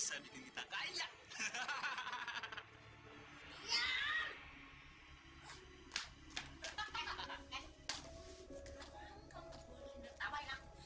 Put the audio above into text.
mau makan pakai apa